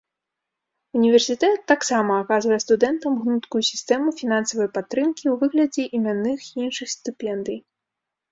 Універсітэт таксама аказвае студэнтам гнуткую сістэму фінансавай падтрымкі ў выглядзе імянных і іншых стыпендый.